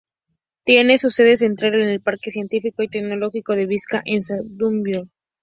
Tiene su sede central en el Parque Científico y Tecnológico de Bizkaia, en Zamudio.